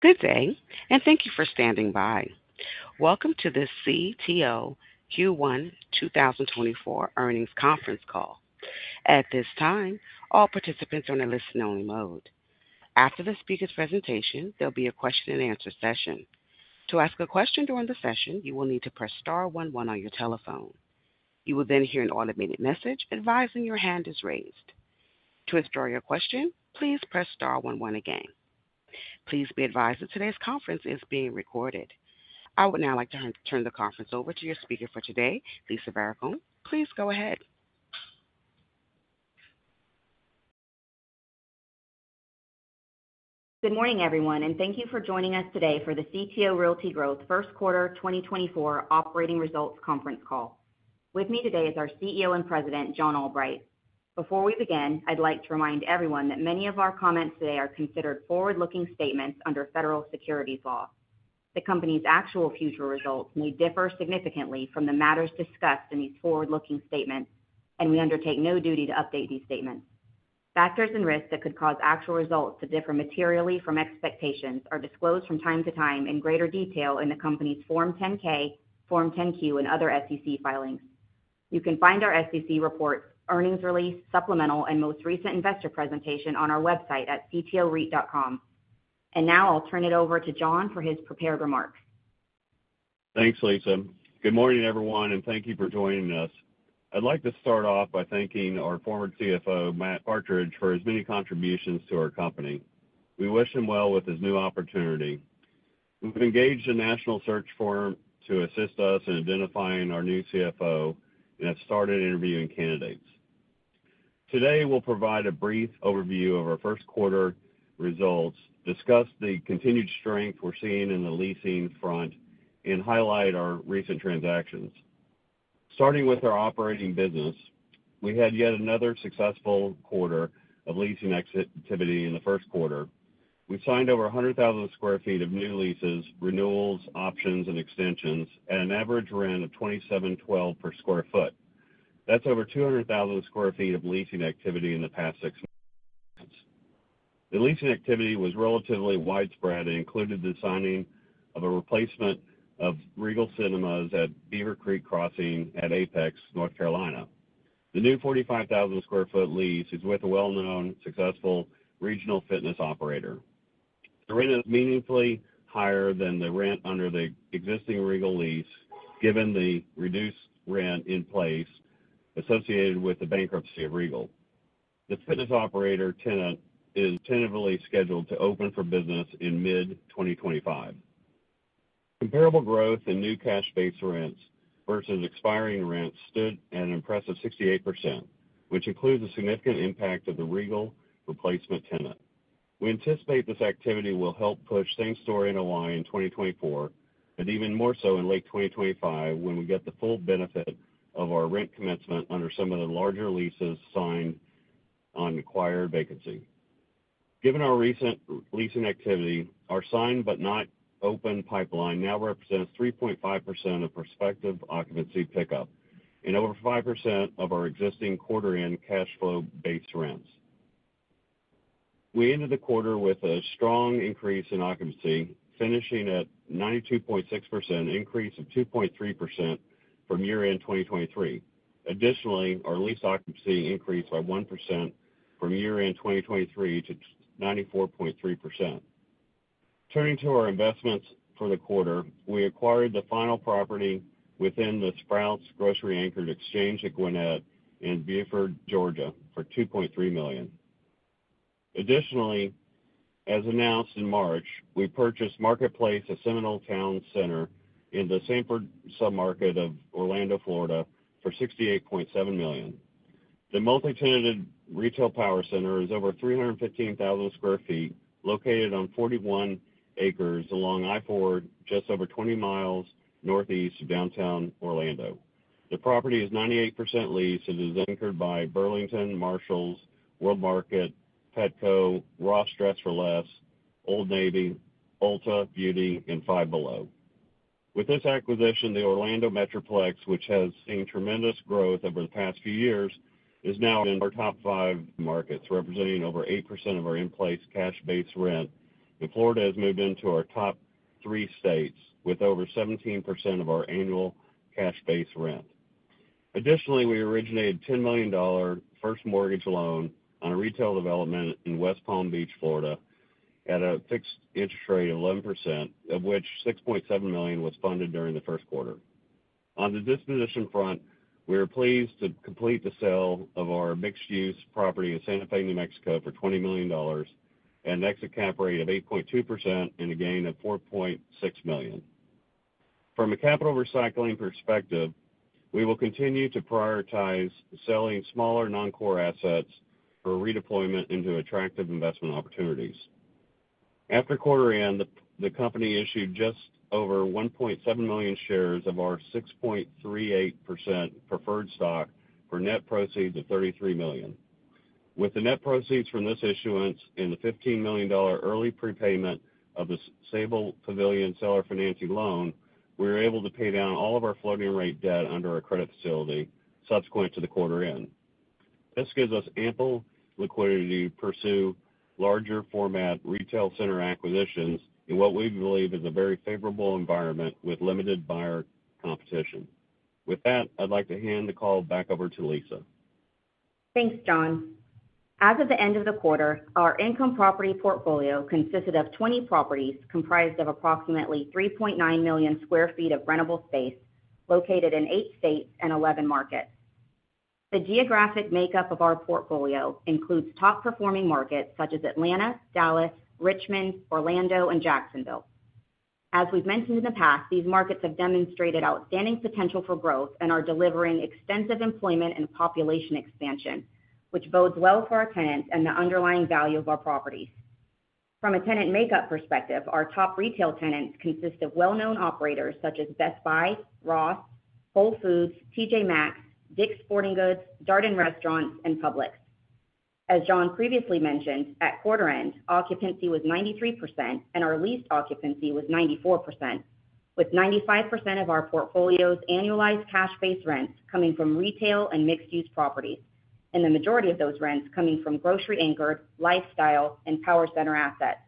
Good day, and thank you for standing by. Welcome to the CTO Q1 2024 Earnings Conference Call. At this time, all participants are in a listen-only mode. After the speaker's presentation, there'll be a Q&A session. To ask a question during the session, you will need to press star one one on your telephone. You will then hear an automated message advising your hand is raised. To withdraw your question, please press star one one again. Please be advised that today's conference is being recorded. I would now like to turn the conference over to your speaker for today, Lisa Vorakoun. Please go ahead. Good morning, everyone, and thank you for joining us today for the CTO Realty Growth Q1 2024 Operating Results conference call. With me today is our CEO and President, John Albright. Before we begin, I'd like to remind everyone that many of our comments today are considered forward-looking statements under federal securities law. The company's actual future results may differ significantly from the matters discussed in these forward-looking statements, and we undertake no duty to update these statements. Factors and risks that could cause actual results to differ materially from expectations are disclosed from time to time in greater detail in the company's Form 10-K, Form 10-Q, and other SEC filings. You can find our SEC report, earnings release, supplemental, and most recent investor presentation on our website at ctoreit.com. Now I'll turn it over to John for his prepared remarks. Thanks, Lisa. Good morning, everyone, and thank you for joining us. I'd like to start off by thanking our former CFO, Matt Partridge, for his many contributions to our company. We wish him well with his new opportunity. We've engaged a national search firm to assist us in identifying our new CFO and have started interviewing candidates. Today, we'll provide a brief overview of our Q1 results, discuss the continued strength we're seeing in the leasing front, and highlight our recent transactions. Starting with our operating business, we had yet another successful quarter of leasing exit activity in the Q1. We signed over 100,000 sq ft of new leases, renewals, options, and extensions at an average rent of $27.12 per sq ft. That's over 200,000 sq ft of leasing activity in the past six months. The leasing activity was relatively widespread and included the signing of a replacement of Regal Cinemas at Beaver Creek Crossings at Apex, North Carolina. The new 45,000 sq ft lease is with a well-known, successful regional fitness operator. The rent is meaningfully higher than the rent under the existing Regal lease, given the reduced rent in place associated with the bankruptcy of Regal. The fitness operator tenant is tentatively scheduled to open for business in mid-2025. Comparable growth in new cash base rents versus expiring rents stood at an impressive 68%, which includes a significant impact of the Regal replacement tenant. We anticipate this activity will help push same-store NOI in 2024, and even more so in late 2025, when we get the full benefit of our rent commencement under some of the larger leases signed on acquired vacancy. Given our recent leasing activity, our signed but not open pipeline now represents 3.5% of prospective occupancy pickup and over 5% of our existing quarter-end cash flow base rents. We ended the quarter with a strong increase in occupancy, finishing at 92.6%, an increase of 2.3% from year-end 2023. Additionally, our lease occupancy increased by 1% from year-end 2023 to 94.3%. Turning to our investments for the quarter, we acquired the final property within the Sprouts grocery-anchored Exchange at Gwinnett in Buford, Georgia, for $2.3 million. Additionally, as announced in March, we purchased Marketplace at Seminole Towne Center in the Sanford submarket of Orlando, Florida, for $68.7 million. The multi-tenanted retail power center is over 315,000 sq ft, located on 41 acres along I-4, just over 20 miles northeast of downtown Orlando. The property is 98% leased and is anchored by Burlington, Marshalls, World Market, Petco, Ross Dress for Less, Old Navy, Ulta Beauty, and Five Below. With this acquisition, the Orlando Metroplex, which has seen tremendous growth over the past few years, is now in our top five markets, representing over 8% of our in-place cash base rent, and Florida has moved into our top three states with over 17% of our annual cash base rent. Additionally, we originated $10 million first mortgage loan on a retail development in West Palm Beach, Florida, at a fixed interest rate of 11%, of which $6.7 million was funded during the Q1. On the disposition front, we are pleased to complete the sale of our mixed-use property in Santa Fe, New Mexico, for $20 million at an exit cap rate of 8.2% and a gain of $4.6 million. From a capital recycling perspective, we will continue to prioritize selling smaller, non-core assets for redeployment into attractive investment opportunities. After quarter end, the company issued just over 1.7 million shares of our 6.38% preferred stock for net proceeds of $33 million. With the net proceeds from this issuance and the $15 million early prepayment of the Sabal Pavilion seller financing loan, we were able to pay down all of our floating rate debt under our credit facility subsequent to the quarter end.... This gives us ample liquidity to pursue larger format retail center acquisitions in what we believe is a very favorable environment with limited buyer competition. With that, I'd like to hand the call back over to Lisa. Thanks, John. As of the end of the quarter, our income property portfolio consisted of 20 properties, comprised of approximately 3.9 million sq ft of rentable space, located in 8 states and 11 markets. The geographic makeup of our portfolio includes top-performing markets such as Atlanta, Dallas, Richmond, Orlando, and Jacksonville. As we've mentioned in the past, these markets have demonstrated outstanding potential for growth and are delivering extensive employment and population expansion, which bodes well for our tenants and the underlying value of our properties. From a tenant makeup perspective, our top retail tenants consist of well-known operators such as Best Buy, Ross, Whole Foods, T.J. Maxx, Dick's Sporting Goods, Darden Restaurants and Publix. As John previously mentioned, at quarter end, occupancy was 93%, and our leased occupancy was 94%, with 95% of our portfolio's annualized cash base rents coming from retail and mixed-use properties, and the majority of those rents coming from grocery-anchored, lifestyle, and power center assets.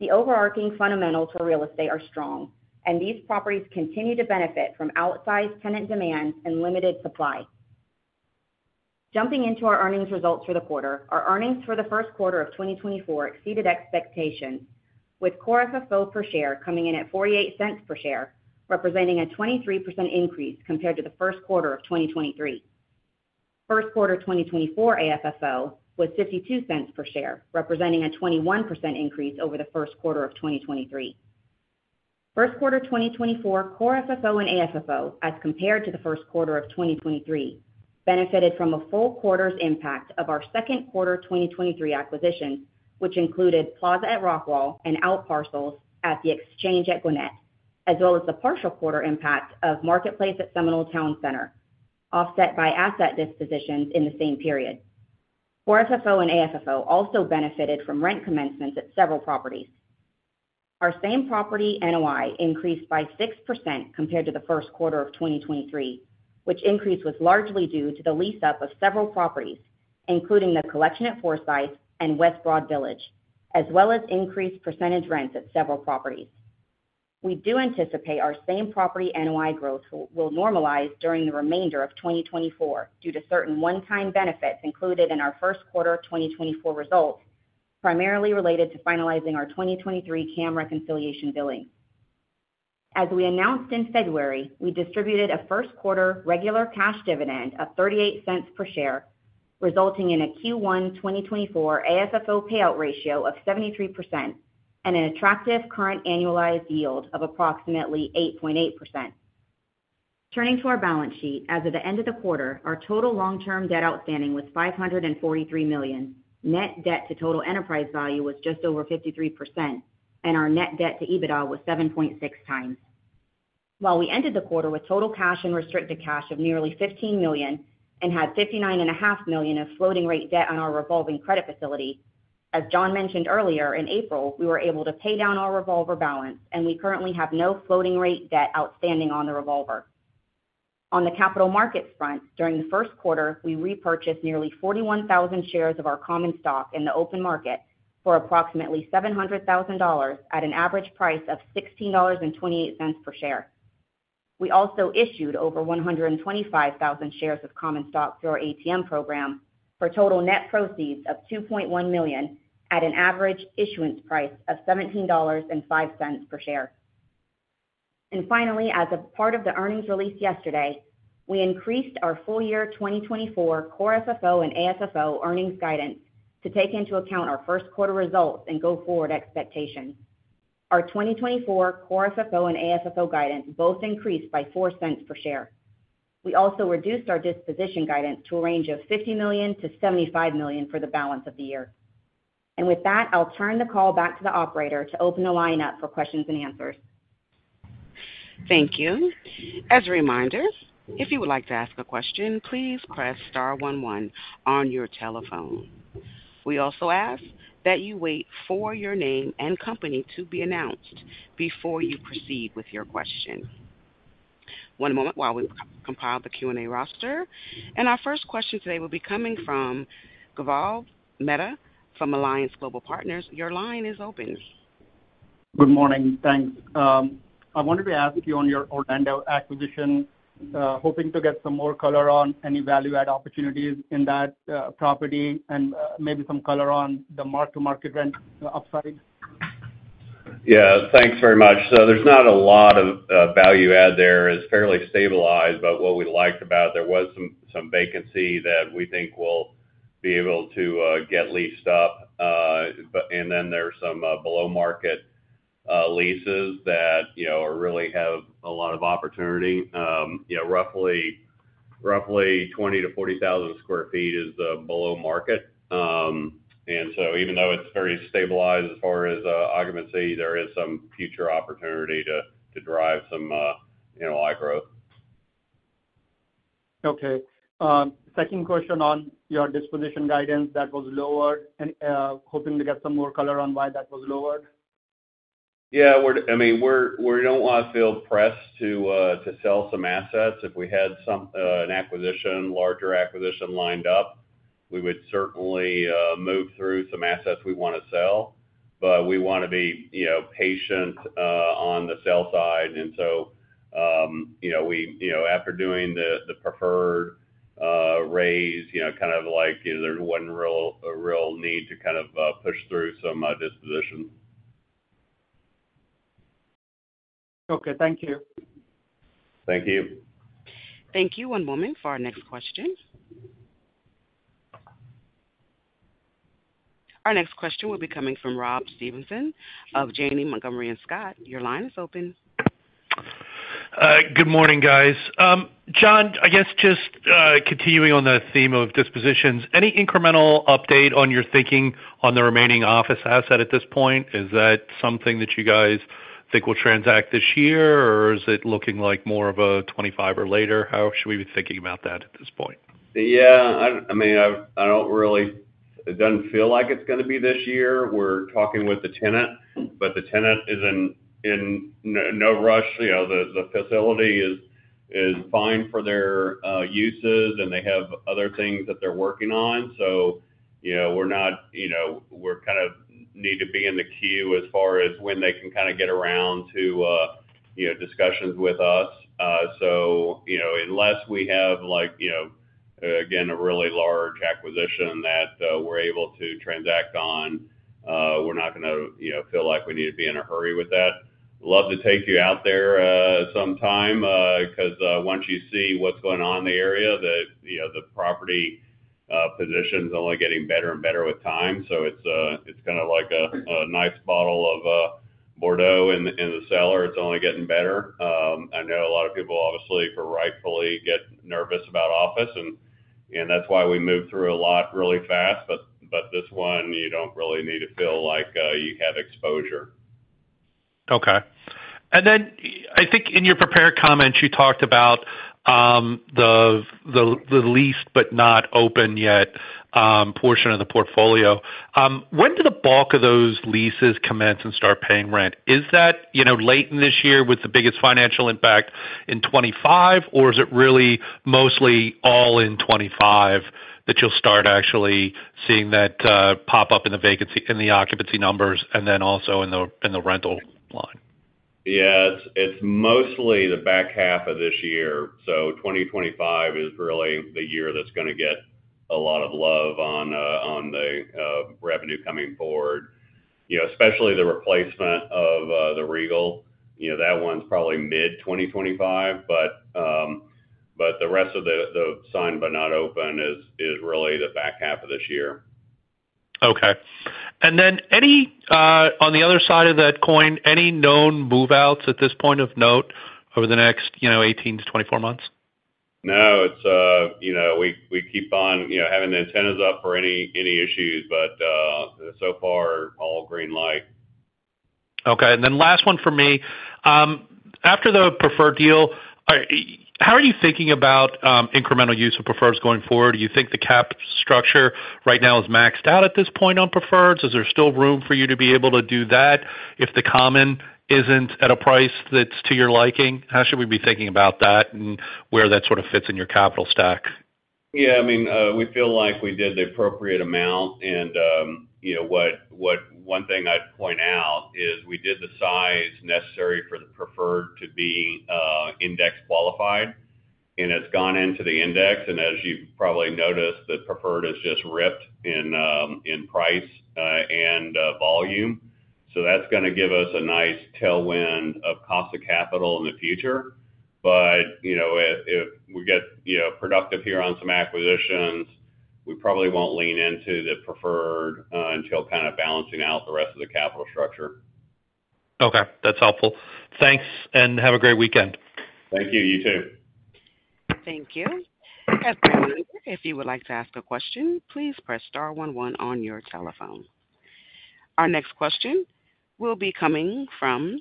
The overarching fundamentals for real estate are strong, and these properties continue to benefit from outsized tenant demand and limited supply. Jumping into our earnings results for the quarter. Our earnings for the Q1 of 2024 exceeded expectations, with core FFO per share coming in at $0.48 per share, representing a 23% increase compared to the Q1 of 2023. Q1 2024 AFFO was $0.52 per share, representing a 21% increase over the Q1 of 2023. Q1 2024 core FFO and AFFO, as compared to the Q1 of 2023, benefited from a full quarter's impact of our Q2 2023 acquisition, which included Plaza at Rockwall and outparcels at The Exchange at Gwinnett, as well as the partial quarter impact of Marketplace at Seminole Town Center, offset by asset dispositions in the same period. Core FFO and AFFO also benefited from rent commencements at several properties. Our same property NOI increased by 6% compared to the Q1 of 2023, which increase was largely due to the lease up of several properties, including The Collection at Forsyth and West Broad Village, as well as increased percentage rents at several properties. We do anticipate our same property NOI growth will normalize during the remainder of 2024 due to certain one-time benefits included in our Q1 2024 results, primarily related to finalizing our 2023 CAM reconciliation billing. As we announced in February, we distributed a Q1 regular cash dividend of $0.38 per share, resulting in a Q1 2024 AFFO payout ratio of 73% and an attractive current annualized yield of approximately 8.8%. Turning to our balance sheet. As of the end of the quarter, our total long-term debt outstanding was $543 million. Net debt to total enterprise value was just over 53%, and our net debt to EBITDA was 7.6x. While we ended the quarter with total cash and restricted cash of nearly $15 million and had $59.5 million of floating rate debt on our revolving credit facility, as John mentioned earlier, in April, we were able to pay down our revolver balance, and we currently have no floating rate debt outstanding on the revolver. On the capital markets front, during the Q1, we repurchased nearly 41,000 shares of our common stock in the open market for approximately $700,000, at an average price of $16.28 per share. We also issued over 125,000 shares of common stock through our ATM program for total net proceeds of $2.1 million at an average issuance price of $17.05 per share. And finally, as a part of the earnings release yesterday, we increased our full year 2024 Core FFO and AFFO earnings guidance to take into account our Q1 results and go forward expectations. Our 2024 Core FFO and AFFO guidance both increased by $0.04 per share. We also reduced our disposition guidance to a range of $50 million-$75 million for the balance of the year. And with that, I'll turn the call back to the operator to open the line up for questions and answers. Thank you. As a reminder, if you would like to ask a question, please press star one one on your telephone. We also ask that you wait for your name and company to be announced before you proceed with your question. One moment while we compile the Q&A roster. And our first question today will be coming from Gaurav Mehta from Alliance Global Partners. Your line is open. Good morning. Thanks. I wanted to ask you on your Orlando acquisition, hoping to get some more color on any value add opportunities in that property and, maybe some color on the mark-to-market rent upside. Yeah, thanks very much. So there's not a lot of value add there. It's fairly stabilized. But what we liked about there was some vacancy that we think will be able to get leased up. And then there are some below market leases that, you know, really have a lot of opportunity. You know, roughly 20,000-40,000 sq ft is below market. And so even though it's very stabilized as far as occupancy, there is some future opportunity to drive some NOI growth. Okay. Second question on your disposition guidance that was lowered and, hoping to get some more color on why that was lowered?... Yeah, we're—I mean, we're, we don't want to feel pressed to sell some assets. If we had some, an acquisition, larger acquisition lined up, we would certainly move through some assets we want to sell. But we want to be, you know, patient on the sell side. And so, you know, we—you know, after doing the preferred raise, you know, kind of like, there wasn't a real need to kind of push through some disposition. Okay. Thank you. Thank you. Thank you. One moment for our next question. Our next question will be coming from Rob Stevenson of Janney Montgomery Scott. Your line is open. Good morning, guys. John, I guess just continuing on the theme of dispositions, any incremental update on your thinking on the remaining office asset at this point? Is that something that you guys think will transact this year, or is it looking like more of a 25 or later? How should we be thinking about that at this point? Yeah, I mean, I don't really, it doesn't feel like it's gonna be this year. We're talking with the tenant, but the tenant is in no rush. You know, the facility is fine for their uses, and they have other things that they're working on. So, you know, we're not, you know, we kind of need to be in the queue as far as when they can kind of get around to, you know, discussions with us. So, you know, unless we have like, you know, again, a really large acquisition that we're able to transact on, we're not gonna, you know, feel like we need to be in a hurry with that. Love to take you out there, sometime, because once you see what's going on in the area, the, you know, the property, position's only getting better and better with time. So it's, it's kind of like a, a nice bottle of, Bordeaux in the, in the cellar. It's only getting better. I know a lot of people obviously, rightfully, get nervous about office, and, and that's why we moved through a lot really fast. But, but this one, you don't really need to feel like, you have exposure. Okay. And then I think in your prepared comments, you talked about the leased but not open yet portion of the portfolio. When do the bulk of those leases commence and start paying rent? Is that, you know, late in this year with the biggest financial impact in 2025, or is it really mostly all in 2025, that you'll start actually seeing that pop up in the vacancy in the occupancy numbers and then also in the rental line? Yeah, it's mostly the back half of this year. So 2025 is really the year that's gonna get a lot of love on the revenue coming forward. You know, especially the replacement of the Regal. You know, that one's probably mid-2025, but the rest of the signed but not open is really the back half of this year. Okay. And then any, on the other side of that coin, any known move-outs at this point of note over the next, you know, 18-24 months? No, it's, you know, we keep on, you know, having the antennas up for any issues, but so far, all green light. Okay. And then last one for me. After the preferred deal, how are you thinking about incremental use of preferred going forward? Do you think the cap structure right now is maxed out at this point on preferred? Is there still room for you to be able to do that if the common isn't at a price that's to your liking? How should we be thinking about that and where that sort of fits in your capital stack? Yeah, I mean, we feel like we did the appropriate amount, and you know what, one thing I'd point out is we did the size necessary for the preferred to be index qualified, and it's gone into the index, and as you've probably noticed, the preferred has just ripped in price and volume. So that's gonna give us a nice tailwind of cost of capital in the future. But you know, if we get you know, productive here on some acquisitions, we probably won't lean into the preferred until kind of balancing out the rest of the capital structure. Okay. That's helpful. Thanks, and have a great weekend. Thank you. You too. Thank you. As a reminder, if you would like to ask a question, please press star one one on your telephone. Our next question will be coming from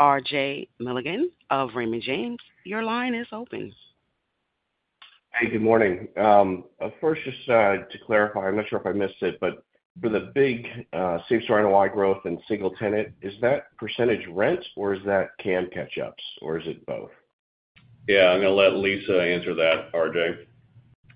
RJ Milligan of Raymond James. Your line is open. Hey, good morning. First, just, to clarify, I'm not sure if I missed it, but for the big, same-store NOI growth and single tenant, is that percentage rents, or is it CAM catch-ups, or is it both? Yeah, I'm gonna let Lisa answer that, RJ.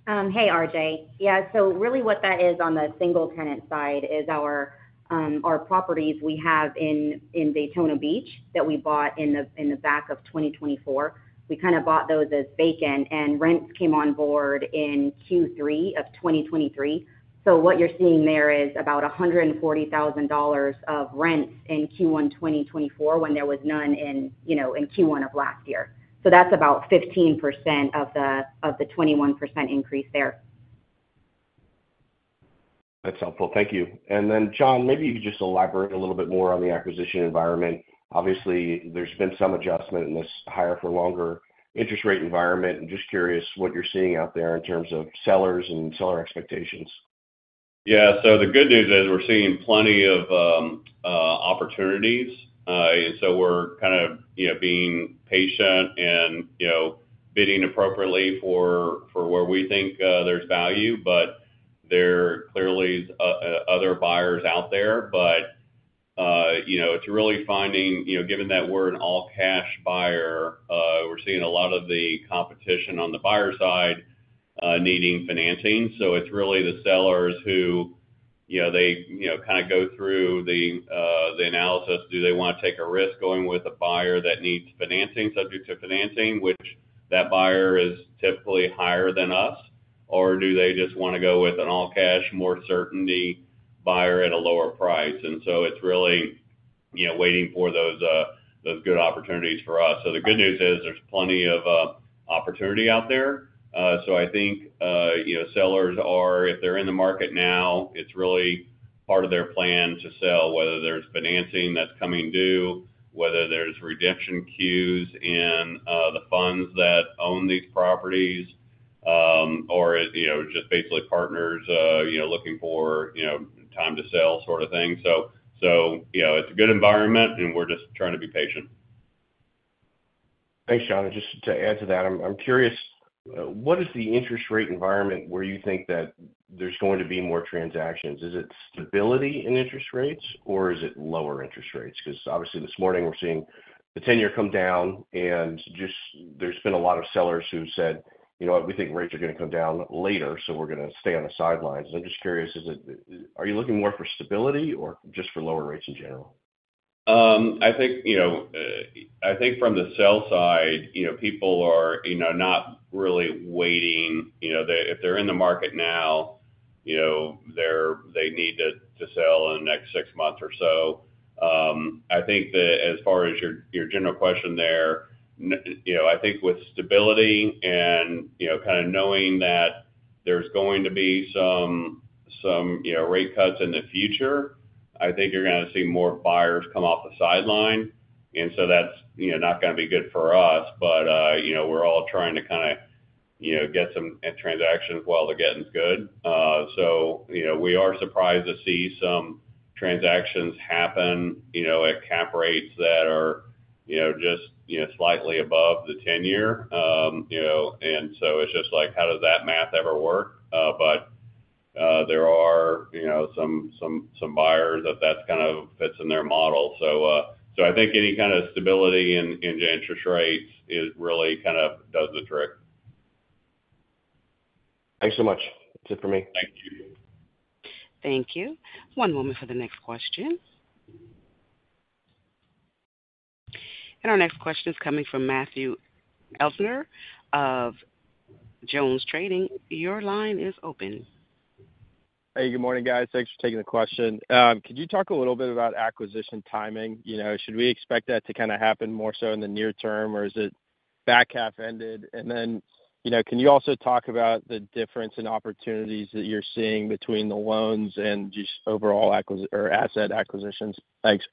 Hey, RJ. Yeah, so really what that is on the single tenant side is our properties we have in Daytona Beach that we bought in the back of 2024. We kind of bought those as vacant, and rents came on board in Q3 of 2023. So what you're seeing there is about $140,000 of rents in Q1 2024, when there was none in, you know, in Q1 of last year. So that's about 15% of the 21% increase there. That's helpful. Thank you. And then, John, maybe you could just elaborate a little bit more on the acquisition environment. Obviously, there's been some adjustment in this higher for longer interest rate environment. I'm just curious what you're seeing out there in terms of sellers and seller expectations. Yeah. So the good news is we're seeing plenty of opportunities. So we're kind of, you know, being patient and, you know, bidding appropriately for where we think there's value. But there are clearly other buyers out there, but you know, it's really finding, you know, given that we're an all-cash buyer, we're seeing a lot of the competition on the buyer side needing financing. So it's really the sellers who, you know, they, you know, kind of go through the analysis. Do they want to take a risk going with a buyer that needs financing, subject to financing, which that buyer is typically higher than us, or do they just wanna go with an all-cash, more certainty buyer at a lower price? And so it's really, you know, waiting for those, those good opportunities for us. So the good news is there's plenty of, opportunity out there. So I think, you know, sellers are, if they're in the market now, it's really part of their plan to sell, whether there's financing that's coming due, whether there's redemption queues in, the funds that own these properties, or, you know, just basically partners, you know, looking for, you know, time to sell sort of thing. So, so, you know, it's a good environment, and we're just trying to be patient. Thanks, John. And just to add to that, I'm curious what is the interest rate environment where you think that there's going to be more transactions? Is it stability in interest rates, or is it lower interest rates? Because obviously, this morning, we're seeing the ten-year come down, and just... There's been a lot of sellers who said, "You know what? We think rates are going to come down later, so we're going to stay on the sidelines." I'm just curious, is it? Are you looking more for stability or just for lower rates in general? I think, you know, I think from the sell side, you know, people are, you know, not really waiting. You know, they if they're in the market now, you know, they need to sell in the next six months or so. I think that as far as your general question there, you know, I think with stability and, you know, kind of knowing that there's going to be some rate cuts in the future, I think you're gonna see more buyers come off the sideline. And so that's, you know, not gonna be good for us, but, you know, we're all trying to kinda, you know, get some transactions while the getting's good. So, you know, we are surprised to see some transactions happen, you know, at cap rates that are, you know, just, you know, slightly above the ten-year. You know, and so it's just like, how does that math ever work? But, there are, you know, some buyers that kind of fits in their model. So, I think any kind of stability in the interest rates is really kind of does the trick. Thanks so much. That's it for me. Thank you. Thank you. One moment for the next question. Our next question is coming from Matthew Erdner of JonesTrading. Your line is open. Hey, good morning, guys. Thanks for taking the question. Could you talk a little bit about acquisition timing? You know, should we expect that to kind of happen more so in the near term, or is it back half-ended? And then, you know, can you also talk about the difference in opportunities that you're seeing between the loans and just overall or asset acquisitions? Thanks.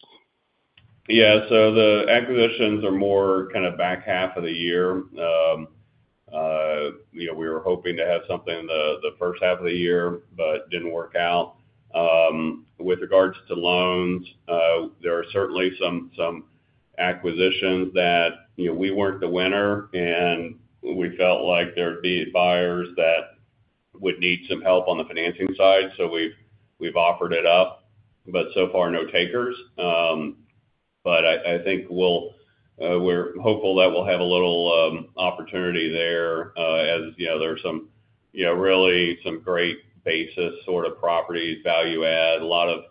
Yeah. So the acquisitions are more kind of back half of the year. You know, we were hoping to have something in the first half of the year, but it didn't work out. With regards to loans, there are certainly some acquisitions that, you know, we weren't the winner, and we felt like there'd be buyers that would need some help on the financing side. So we've offered it up, but so far, no takers. But I think we're hopeful that we'll have a little opportunity there, as you know, there are some, you know, really some great basis sort of properties, value add, a lot of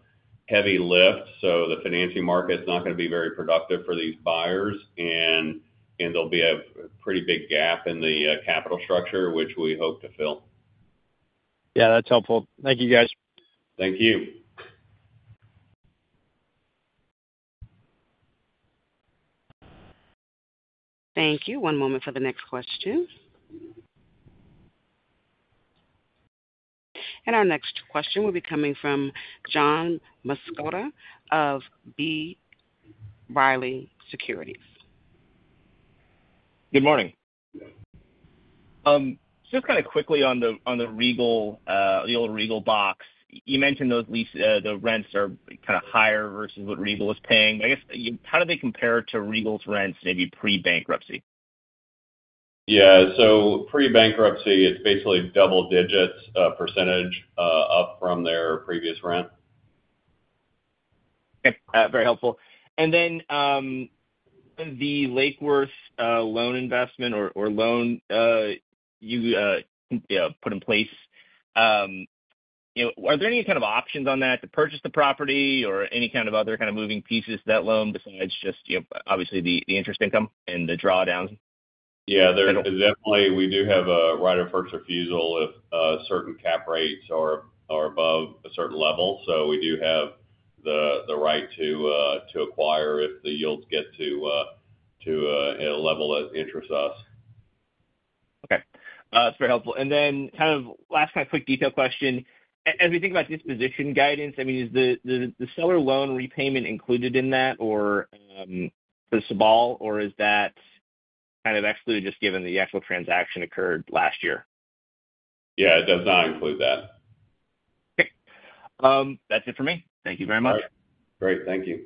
heavy lifts. So the financing market is not gonna be very productive for these buyers, and there'll be a pretty big gap in the capital structure, which we hope to fill. Yeah, that's helpful. Thank you, guys. Thank you. Thank you. One moment for the next question. Our next question will be coming from John Massocca of B. Riley Securities. Good morning. Just kind of quickly on the Regal, the old Regal box. You mentioned those leases, the rents are kind of higher versus what Regal was paying. I guess, how do they compare to Regal's rents, maybe pre-bankruptcy? Yeah. So pre-bankruptcy, it's basically double digits percentage up from their previous rent. Okay, very helpful. And then, the Lake Worth loan investment or loan you put in place, you know, are there any kind of options on that to purchase the property or any kind of other kind of moving pieces to that loan, besides just, you know, obviously, the interest income and the drawdowns? Yeah, there definitely, we do have a right of first refusal if certain cap rates are above a certain level. So we do have the right to acquire if the yields get to a level that interests us. Okay. It's very helpful. And then kind of last, kind of, quick detail question. As we think about disposition guidance, I mean, is the seller loan repayment included in that or, for Sabal, or is that kind of excluded just given the actual transaction occurred last year? Yeah, it does not include that. Okay. That's it for me. Thank you very much. All right. Great. Thank you.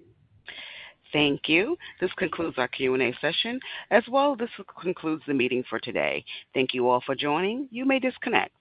Thank you. This concludes our Q&A session. As well, this concludes the meeting for today. Thank you all for joining. You may disconnect.